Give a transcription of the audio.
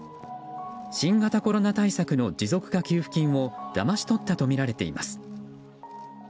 新型コロナ対策の持続化給付金をだまし取ったとみられています。